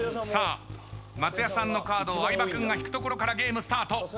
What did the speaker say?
さあ松也さんのカードを相葉君が引くところからゲームスタート。